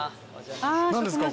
何ですか？